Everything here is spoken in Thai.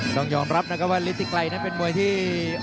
ต้องยอมรับนะครับว่าลิติไกลนั้นเป็นมวยที่